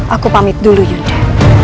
aku pamit dulu yunda